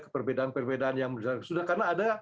perbedaan perbedaan yang sudah karena ada